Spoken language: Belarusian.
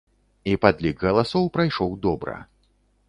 І падлік галасоў прайшоў добра.